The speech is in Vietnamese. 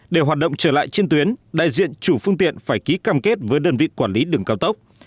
để hoạt động trở lại trên tuyến đại diện chủ phương tiện phải ký cam kết với đơn vị quản lý đường cao tốc